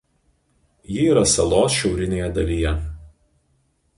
Ji yra salos šiaurinėje dalyje.